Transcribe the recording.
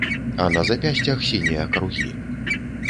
А на запясцях сінія кругі.